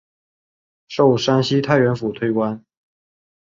授山西太原府推官。